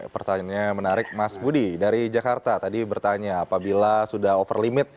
pertanyaannya menarik mas budi dari jakarta tadi bertanya apabila sudah over limit